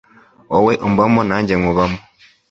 Wowe umbamo nanjye nkubamo